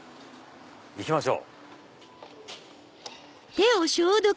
行きましょう。